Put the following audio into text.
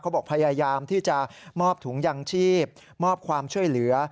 บอกพยายามที่จะมอบถุงยางชีพมอบความช่วยเหลือ